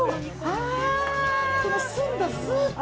この澄んだスープ。